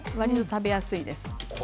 食べやすいです。